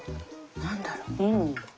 何だろう？